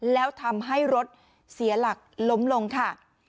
แล้วทำให้รถเสียหลักล้มลงค่ะ